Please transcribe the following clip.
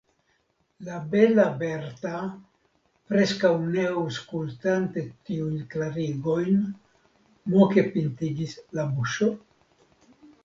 La bela Berta, preskaŭ ne aŭskultante tiujn klarigojn, moke pintigis la buŝon.